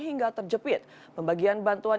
hingga terjepit pembagian bantuan